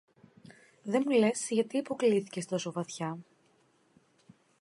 Δε μου λες, γιατί υποκλίθηκες τόσο βαθιά